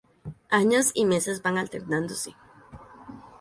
Años y meses van alternándose.